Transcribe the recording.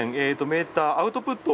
メーターアウトプット。